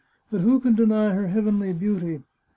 But who can deny her heavenly beauty?